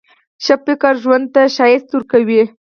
ښه فکر ژوند ته ښکلا ورکوي.